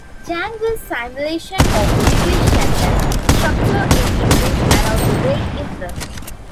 Zangwill's simulation of Yiddish sentence structure in English aroused great interest.